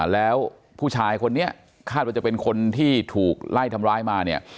แล้วผู้ชายคนนี้คาดว่าจะเป็นคนที่ถูกไล่ทำร้ายมาเนี่ย